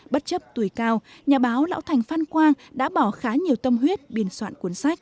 bất chấp tuổi cao nhà báo lão thành phan quang đã bỏ khá nhiều tâm huyết biên soạn cuốn sách